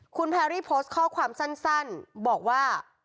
คุณแพรรี่โพสต์ข้อความสั้นบอกว่า